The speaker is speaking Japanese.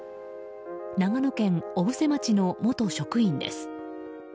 長野県小布施町の元職員です。